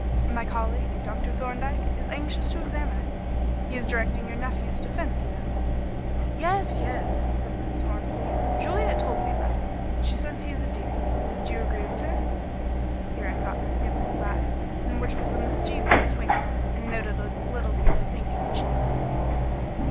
"My colleague, Dr. Thorndyke, is anxious to examine it. He is directing your nephew's defence, you know." "Yes, yes," said Mrs. Hornby. "Juliet told me about him. She says he is a dear. Do you agree with her?" Here I caught Miss Gibson's eye, in which was a mischievous twinkle, and noted a little deeper pink in her cheeks.